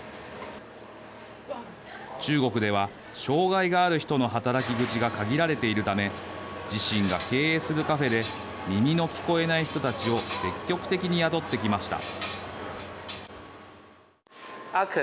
中国では障害がある人の働き口が限られているため自身が経営するカフェで耳の聞こえない人たちを積極的に雇ってきました。